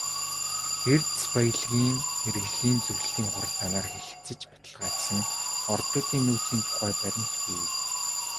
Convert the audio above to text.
Эрдэс баялгийн мэргэжлийн зөвлөлийн хуралдаанаар хэлэлцэж баталгаажсан ордуудын нөөцийн тухай баримт бий.